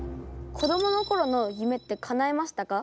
子どものころの夢ってかなえましたか？